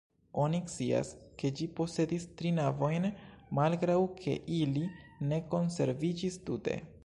Oni scias, ke ĝi posedis tri navojn malgraŭ ke ili ne konserviĝis tute.